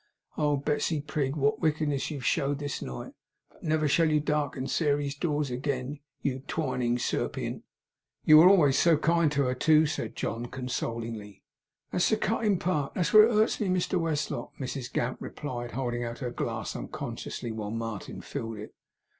Oh, Betsey Prig, what wickedness you've showed this night, but never shall you darken Sairey's doors agen, you twining serpiant!' 'You were always so kind to her, too!' said John, consolingly. 'That's the cutting part. That's where it hurts me, Mr Westlock,' Mrs Gamp replied; holding out her glass unconsciously, while Martin filled it.